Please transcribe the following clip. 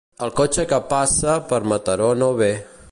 El cotxe que passa per Mataró no ve.